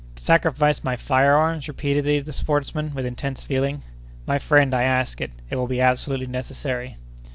"Sacrifice my fire arms?" repeated the sportsman, with intense feeling. "My friend, I ask it; it will be absolutely necessary!"